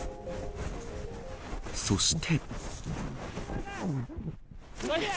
そして。